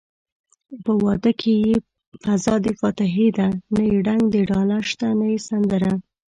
په واده کې يې فضادفاتحې ده نه يې ډنګ دډاله شته نه يې سندره